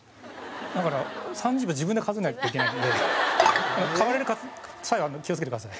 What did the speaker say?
だから、３０秒自分で数えなきゃいけないんで買われる際は気を付けてください。